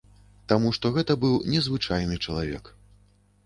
Таму што гэта быў незвычайны чалавек.